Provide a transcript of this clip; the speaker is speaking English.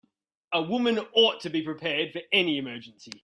A woman ought to be prepared for any emergency.